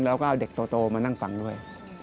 เราก็เอาเด็กโตมานั่งฝั่งด้วย